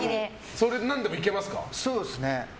そんなんでもいけますか？